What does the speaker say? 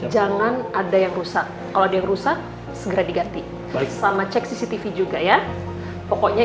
jangan ada yang rusak kalau ada yang rusak segera diganti sama cek cctv juga ya pokoknya